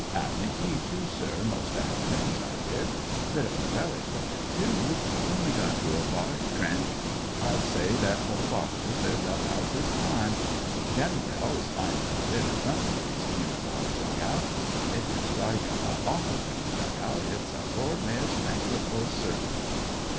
'Ad me tea, too, most artemoons, I did. Bit uv a relish with it, too, when 04 THE COCKNEY FIGHTER we'd got in a Boche trench. I'll say that fer the Boches, their dug outs is prime. Gen'rally always find a bit ep suthin* tasty in a Boche dug out, an' if yer strike a orficep's dug out it's a Lord Mayor's banquit fer certin."